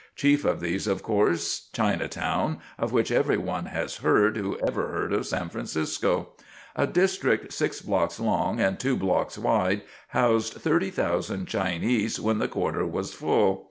Chief of these was, of course, Chinatown, of which every one has heard who ever heard of San Francisco. A district six blocks long and two blocks wide, housed 30,000 Chinese when the quarter was full.